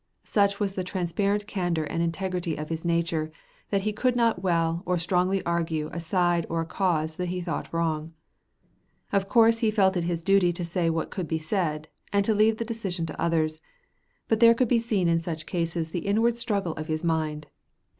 Such was the transparent candor and integrity of his nature, that he could not well or strongly argue a side or a cause that he thought wrong. Of course he felt it his duty to say what could be said, and to leave the decision to others; but there could be seen in such cases the inward struggle of his own mind.